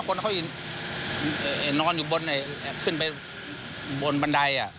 คนเขานอนอยู่บนขึ้นไปบนบันได